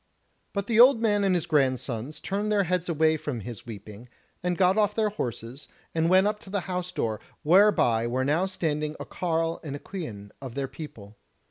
But the old man and his grandsons turned their heads away from his weeping, and got off their horses, and went up to the house door, whereby were now standing a carle and a quean of their people.